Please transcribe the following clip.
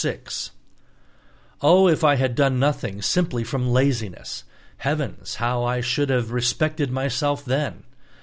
VI Oh, if I had done nothing simply from laziness! Heavens, how I should have respected myself, then.